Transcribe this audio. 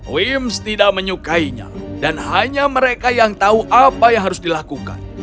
wims tidak menyukainya dan hanya mereka yang tahu apa yang harus dilakukan